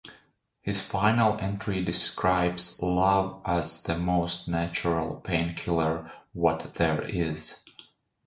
His final entry describes love as the most natural painkiller what there is.